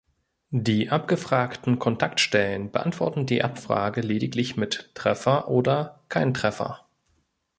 Die abgefragten Kontaktstellen beantworten die Abfrage lediglich mit "Treffer" oder "kein Treffer".